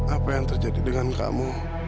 apa yang terjadi dengan kamu